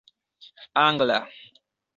angla